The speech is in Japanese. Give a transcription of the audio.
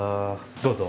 どうぞ。